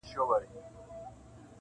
له مکتبه رخصت سویو ماشومانو -